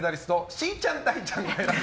しーちゃん・だいちゃんが選ぶ！